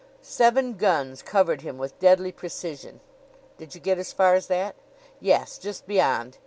"'Seven guns covered him with deadly precision.' Did you get as far as that?" "Yes; just beyond.